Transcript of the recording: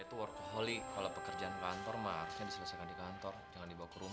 itu workaholic kalau pekerjaan kantor maksudnya diselesaikan di kantor jangan dibawa ke rumah